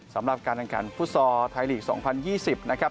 สำหรับการรายการฟุศรไทยลีกส์๒๐๒๐นะครับ